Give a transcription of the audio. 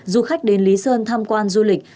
du khách đến lý sơn tham quan du lịch